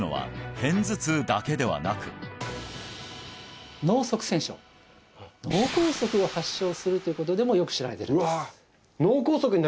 卵円孔が脳塞栓症脳梗塞を発症するということでもよく知られてるんです